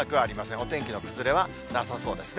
お天気の崩れはなさそうですね。